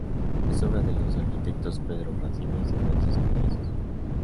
Es obra de los arquitectos Pedro Rasines y Francisco de Hazas.